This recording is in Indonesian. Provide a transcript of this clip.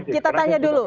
kita tanya dulu